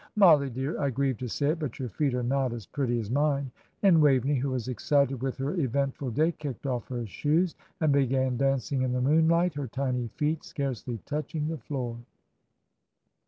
Mollie, dear, I grieve to say it, but your feet are not as pretty as mine;" and Waveney, who was excited with her eventful day, kicked off her shoes, and began dancing in the moonlight, her tiny feet scarcely touching the floor.